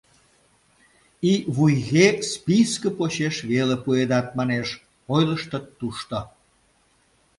«И вуйге списке почеш веле пуэдат, манеш», — ойлыштыт тушто.